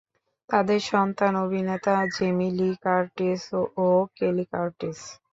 তাদের সন্তান অভিনেতা জেমি লি কার্টিস ও কেলি কার্টিস।